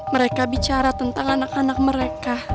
mereka bicara tentang anak anak mereka